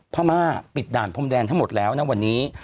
พม่าปิดด่านพรมแดนทั้งหมดแล้วนะวันนี้